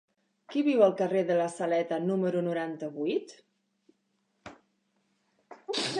Qui viu al carrer de la Saleta número noranta-vuit?